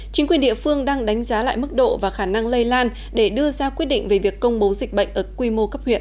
chính quyền địa phương đang đánh giá lại mức độ và khả năng lây lan để đưa ra quyết định về việc công bố dịch bệnh ở quy mô cấp huyện